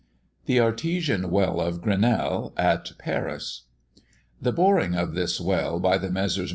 THE ARTESIAN WELL OF GRENELLE, AT PARIS. The boring of this well by the Messrs.